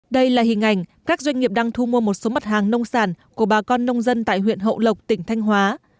đây là hình ảnh các doanh nghiệp đang thu mua một số mặt hàng nông sản của bà con nông dân tại huyện hậu lộc tỉnh thanh hóa